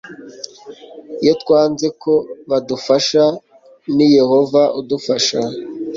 iyo twanze ko badufasha ni yehova udufasha